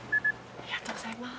ありがとうございます。